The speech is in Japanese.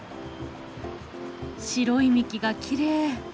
白い幹がきれい。